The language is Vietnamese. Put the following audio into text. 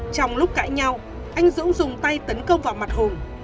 trong lúc cãi nhau anh dũng dùng tay tấn công vào mặt hùng